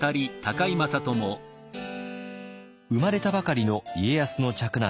生まれたばかりの家康の嫡男